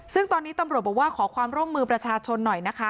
ซึ่งตอนนี้ตำรวจบอกว่าขอความร่วมมือประชาชนหน่อยนะคะ